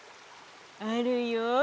あるよ。